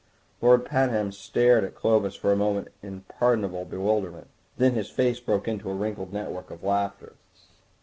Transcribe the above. Lord Pabham stared at Clovis for a moment in pardonable bewilderment; then his face broke into a wrinkled network of laughter.